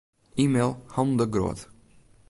E-mail Han de Groot.